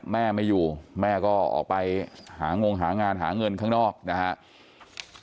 แม่ไม่อยู่แม่ก็ออกไปหางงหางานหาเงินข้างนอกนะครับ